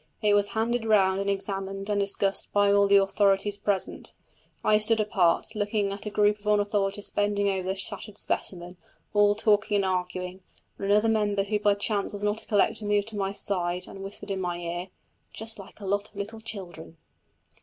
It was handed round and examined and discussed by all the authorities present. I stood apart, looking at a group of ornithologists bending over the shattered specimen, all talking and arguing, when another member who by chance was not a collector moved to my side and whispered in my ear: "Just like a lot of little children!"